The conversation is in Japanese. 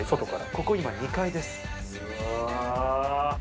ここ今２階です。